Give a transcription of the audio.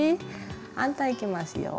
反対いきますよ。